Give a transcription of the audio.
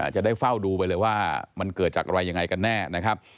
จะได้เฝ้าดูไปเลยว่ามันเกิดจากอะไรยังไงกันแน่นะครับ